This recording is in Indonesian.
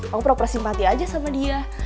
aku pernah persimpati aja sama dia